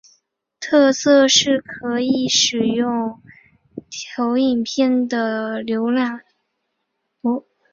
特色是可以使用投影片的模式浏览。